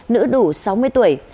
nữ đủ sáu mươi tuổi